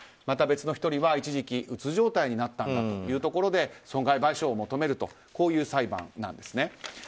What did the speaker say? また、別の１人は一時期うつ状態になったんだというところで損害賠償を求めるという裁判です。